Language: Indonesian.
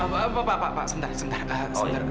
pak pak pak pak pak sebentar sebentar pak